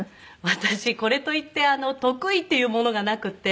私これといって得意っていうものがなくて。